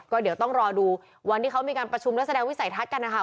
ก็เดี๋ยวต้องรอดูวันที่เขามีการประชุมและแสดงวิสัยทัศน์กันนะคะ